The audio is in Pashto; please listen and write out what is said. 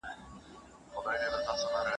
که پیشو وساتو نو موږک نه راځي.